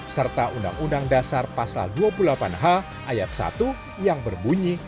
serta undang undang dasar pasal dua puluh delapan h ayat satu yang berbunyi